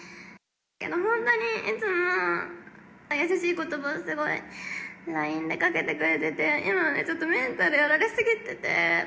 本当にいつも、×××君が優しいことばをすごい、ＬＩＮＥでかけてくれてて、今、ちょっとメンタルやられ過ぎてて。